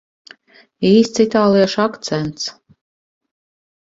Īsts itāliešu akcents.